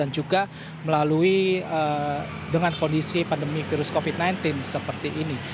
juga melalui dengan kondisi pandemi virus covid sembilan belas seperti ini